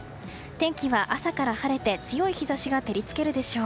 天気は朝から晴れて強い日差しが照り付けるでしょう。